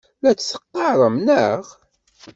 La tt-teqqarem, naɣ?